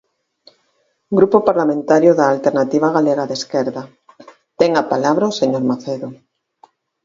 Grupo Parlamentario da Alternativa Galega de Esquerda, ten a palabra o señor Macedo.